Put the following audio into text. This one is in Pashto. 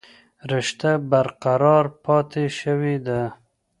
رشته برقرار پاتې شوې ده